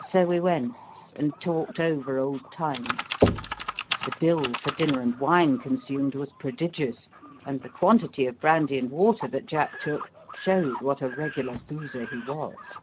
So we went and talked over old times. The bill for dinner and wine consumed was prodigious, and the quantity of brandy and water that Jack took showed what a regular boozer he was.